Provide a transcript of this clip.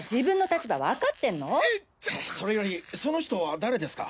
それよりその人は誰ですか？